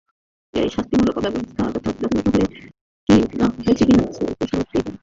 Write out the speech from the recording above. এই শাস্তিমূলক ব্যবস্থা যথাযথ হয়েছে কি না, সেই প্রশ্ন উঠতেই পারে।